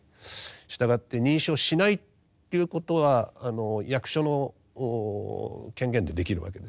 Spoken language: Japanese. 従って認証しないということは役所の権限でできるわけです。